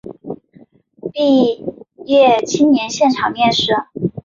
毕业青年现场面试